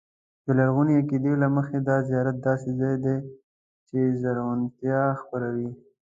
د لرغوني عقیدې له مخې دا زیارت داسې ځای دی چې زرغونتیا خپروي.